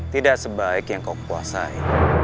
tidak sebaik yang kau kuasai